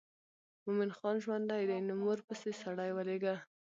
مومن خان ژوندی دی نو مور پسې سړی ولېږه.